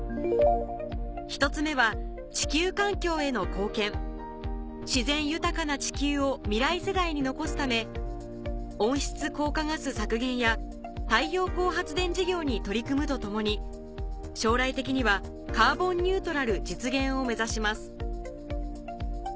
１つ目は自然豊かな地球を未来世代に残すため温室効果ガス削減や太陽光発電事業に取り組むとともに将来的にはカーボンニュートラル実現を目指します